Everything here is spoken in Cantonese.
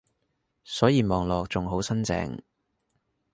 所以望落仲好新淨